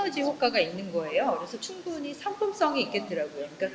jadi kami tahu bahwa ini sangat beruntung